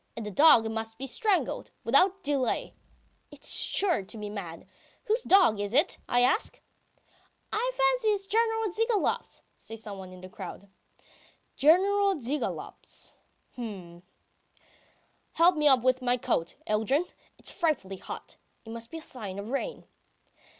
And the dog must be strangled. Without delay! It's sure to be mad. ... Whose dog is it, I ask?" "I fancy it's General Zhigalov's," says someone in the crowd. "General Zhigalov's, h'm. ... Help me off with my coat, Yeldyrin ... it's frightfully hot! It must be a sign of rain.